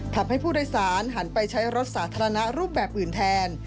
ทำให้ผู้โดยสารหันไปใช้รถสาธารณะรูปแบบอื่นแทน